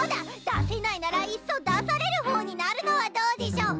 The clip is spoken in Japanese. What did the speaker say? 出せないならいっそ出される方になるのはどうでぃしょう！